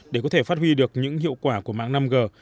để có thể phát huy được những hiệu quả của mạng năm g